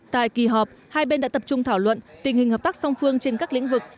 tại kỳ họp hai bên đã tập trung thảo luận tình hình hợp tác song phương trên các lĩnh vực